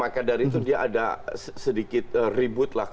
maka dari itu dia ada sedikit ribut lah